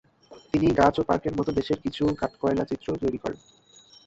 তিনি গাছ ও পার্কের মতো দেশের কিছু কাঠকয়লা চিত্রও তৈরি করেন।